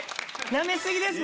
なめすぎです